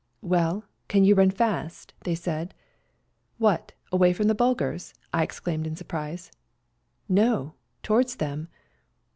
" Well, can you run fast ?" they said. " What, away from the Bulgars !" I ex claimed in surprise. " No, towards them."